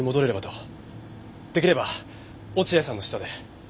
出来れば落合さんの下で。